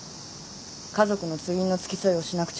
家族の通院の付き添いをしなくちゃいけない。